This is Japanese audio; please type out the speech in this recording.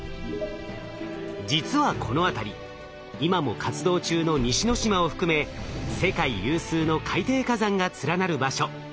実はこの辺り今も活動中の西之島を含め世界有数の海底火山が連なる場所。